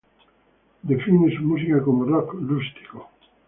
Él define su música como "Rock Rústico".